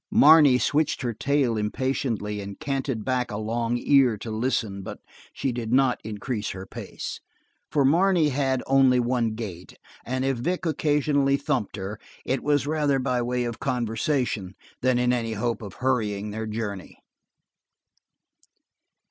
Marne switched her tail impatiently and canted back a long ear to listen, but she did not increase her pace; for Marne had only one gait, and if Vic occasionally thumped her, it was rather by way of conversation than in any hope of hurrying their journey.